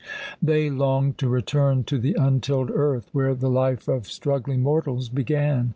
They long to return to the untilled earth, where the life of struggling mortals began.